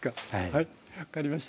はい分かりました。